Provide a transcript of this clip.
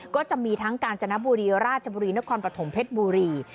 ก็จะมีทั้งกาญจนบุรีราชบุรีนครปฐมเพชรบุรี